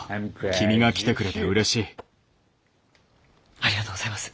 ありがとうございます。